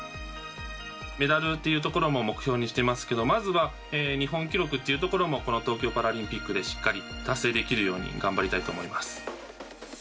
メダルというところも目標にしていますけどまずは日本記録というところを東京パラリンピックでしっかり達成できるように頑張りたいと思います。